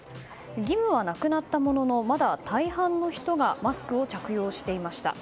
義務はなくなったもののまだ大半の人がマスクを着用していました。